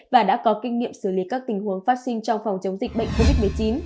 và đã có kinh nghiệm xử lý các tình huống phát sinh trong phòng chống dịch bệnh covid một mươi chín